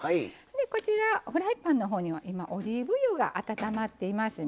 こちらフライパンのほうには今オリーブ油が温まっていますね。